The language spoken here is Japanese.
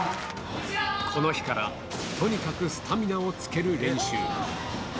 この日からとにかくスタミナをつける練習。